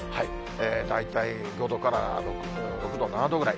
大体５度から６度、７度ぐらい。